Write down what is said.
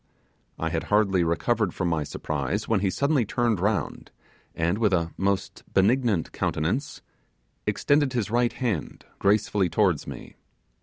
I had hardly recovered from my surprise, when he suddenly turned round, and, with a most benignant countenance extended his right hand gracefully towards me.